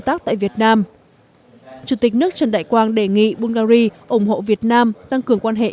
tác tại việt nam chủ tịch nước trần đại quang đề nghị bulgari ủng hộ việt nam tăng cường quan hệ